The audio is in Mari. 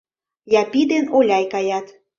Япи ден Оляй каят.